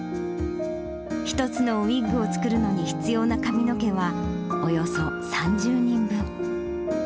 １つのウイッグを作るのに必要な髪の毛は、およそ３０人分。